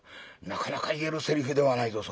なかなか言えるせりふではないぞ」。